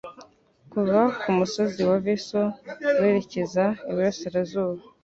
kuva ku musozi wa Veso werekeza iburasirazuba